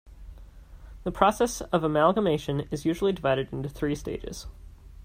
The process of amalgamation is usually divided into three stages.